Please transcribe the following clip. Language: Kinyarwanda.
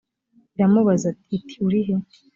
iramubaza iti uri he